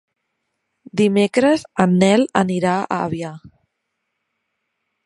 Dimecres en Nel anirà a Avià.